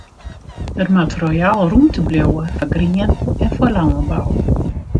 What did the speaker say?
Der moat royaal rûmte bliuwe foar grien en foar lânbou.